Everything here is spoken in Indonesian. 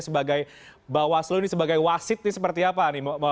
sebagai mbak waslu ini sebagai wasit nih seperti apa nih